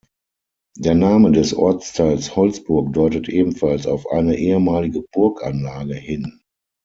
Der Name des Ortsteils Holzburg deutet ebenfalls auf eine ehemalige Burganlage hin.